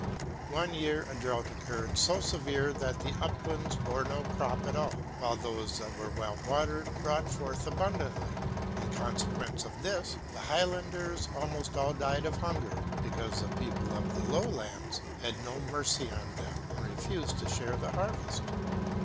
One year a drought occurred, so severe, that the uplands bore no crop at all, while those that were well watered brought forth abundantly. In consequence of this, the highlanders almost all died of hunger, because the people of the lowlands had no mercy on them, and refused to share the harvest.